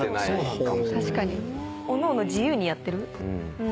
おのおの自由にやってる。